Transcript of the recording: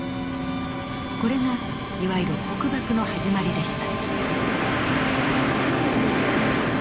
これがいわゆる北爆の始まりでした。